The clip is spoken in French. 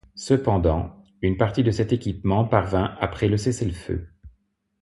Cependant, une partie de cet équipement parvint après le cessez-le-feu.